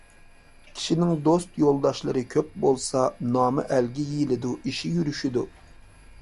كىشىنىڭ دوست يولداشلىرى كۆپ بولسا، نامى ئەلگە يېيىلىدۇ، ئىشى يۈرۈشىدۇ.